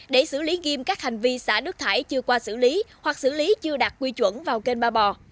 để xử lý nghiêm các hành vi xả nước thải chưa qua xử lý hoặc xử lý chưa đạt quy chuẩn vào kênh ba bò